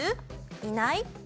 いない？